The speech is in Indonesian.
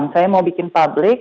saya mau bikin publik